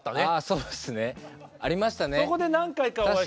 そうですね。